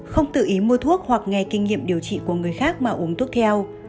không tự ý mua thuốc hoặc nghe kinh nghiệm điều trị của người khác mà uống thuốc theo